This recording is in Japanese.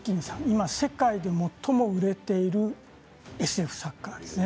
今世界で最も売れているＳＦ作家ですね。